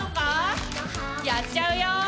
やっちゃうよ！